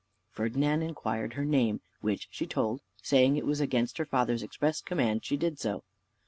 Ferdinand inquired her name, which she told, saying it was against her father's express command she did so.